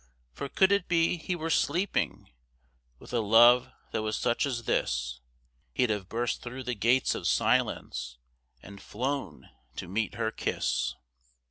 "For could it be he were sleeping. With a love that was such as this He'd have burst through the gates of silence, And flown to meet her kiss."